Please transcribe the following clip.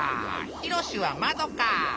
ひろしはまどか！